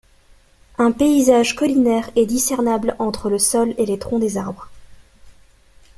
Un paysage collinaire est discernable entre le sol et les troncs des arbres.